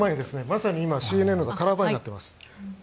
まさに今ＣＮＮがカラーバーになっています。